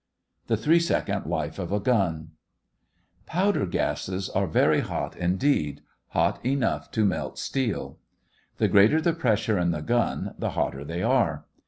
THE THREE SECOND LIFE OF A GUN Powder gases are very hot indeed hot enough to melt steel. The greater the pressure in the gun, the hotter they are.